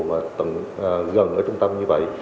mà gần ở trung tâm như vậy